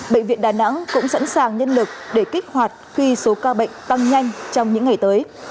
bệnh viện đà nẵng cũng sẵn sàng nhân lực để kích hoạt khi số ca bệnh tăng nhanh trong những ngày tới